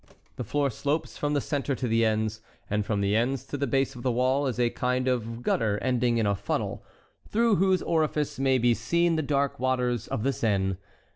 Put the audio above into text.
The floor slopes from the centre to the ends, and from the ends to the base of the wall is a kind of gutter ending in a funnel, through whose orifice may be seen the dark waters of the Seine.